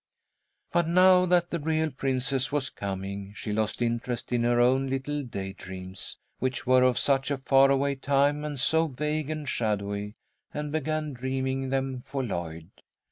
But now that the real princess was coming, she lost interest in her own little day dreams, which were of such a far away time and so vague and shadowy, and began dreaming them for Lloyd.